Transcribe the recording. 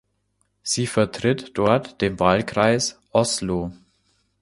Sie vertritt dort den Wahlkreis Oslo.